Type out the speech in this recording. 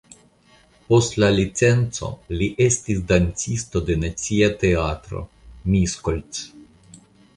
Post la licenco li estis dancisto de Nacia Teatro (Miskolc).